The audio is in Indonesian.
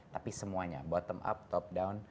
tapi semuanya bottom up top down